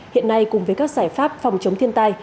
hiện nay cùng với các giải pháp phòng chống thiên tai